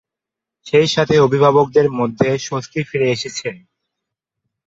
সেই সাথে অভিভাবকদের মধ্যে স্বস্তি ফিরে এসেছে।